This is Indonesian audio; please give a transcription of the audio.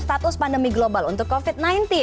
status pandemi global untuk covid sembilan belas